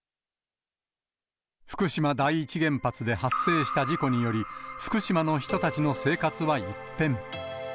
福島第一原発で発生した事故により、福島の人たちの生活は一変。